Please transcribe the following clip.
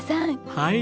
はい。